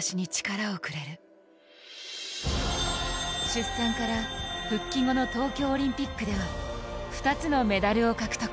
出産から復帰後の東京オリンピックでは２つのメダルを獲得。